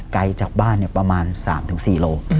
ไปจากบ้านเนี่ยประมาณสามถึงสี่โล